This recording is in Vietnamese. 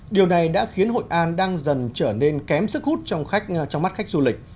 điều này đã khiến hội an đang dần trở nên kém sức hút trong mắt khách du lịch